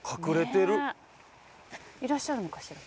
いらっしゃるのかしら？